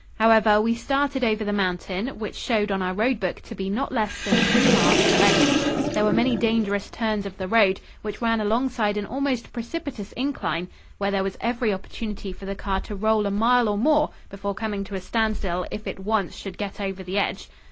However, we started over the mountain, which showed on our road book to be not less than three miles in length. There were many dangerous turns of the road, which ran alongside an almost precipitous incline, where there was every opportunity for the car to roll a mile or more before coming to a standstill if it once should get over the edge.